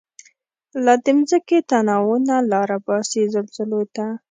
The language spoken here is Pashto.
لا د مځکی تناوونه، لاره باسی زلزلوته